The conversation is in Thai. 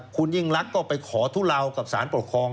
คุณยิ่งรักก็ไปขอทุเลากับสารปกครอง